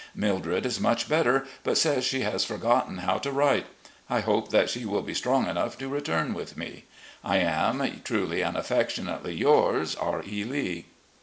Mildred is much better, but says she has forgotten how to write. I hope that she wiU be strong enough to return with me. ... I am. Truly and affectionately yours, R. E. Lee."